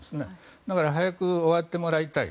だから早く終わってもらいたい。